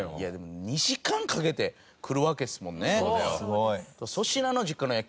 ２時間かけて来るわけですもんね。